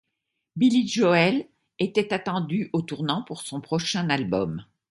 Billy Joel était attendu au tournant pour son prochain album.